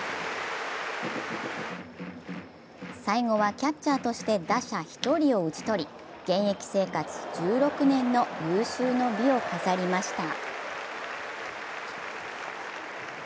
最後はキャッチャーとして打者１人を打ち取り、現役生活１６年の有終の美を飾りました。